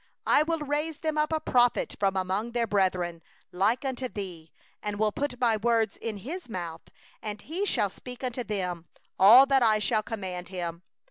18I will raise them up a prophet from among their brethren, like unto thee; and I will put My words in his mouth, and he shall speak unto them all that I shall command him.